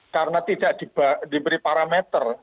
karena tidak diberi parameter